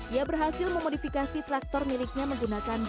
ia berhasil memodifikasi traktor miliknya menggunakan